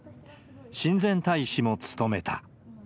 親善大使も務めた。